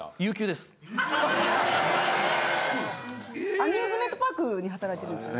アミューズメントパークに働いてるんですよね？